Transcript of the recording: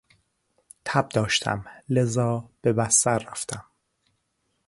تب داشتم لذا به بستر رفتم.